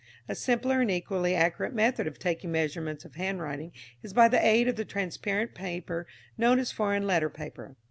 A simpler and equally accurate method of taking measurements of handwriting is by the aid of the transparent paper known as foreign letter paper.